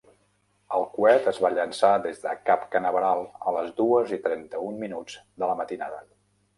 El coet es va llançar des de Cap Canaveral a les dues i trenta-un minuts de la matinada.